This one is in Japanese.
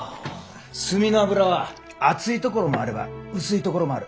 墨の油は厚いところもあれば薄いところもある。